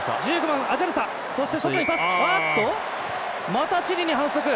またチリに反則。